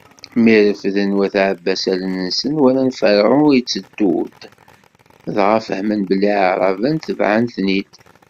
Mi refden wat Ɛebbas allen-nsen, walan Ferɛun itteddu-d, dɣa fehmen belli Iɛraben tebɛen-ten-id.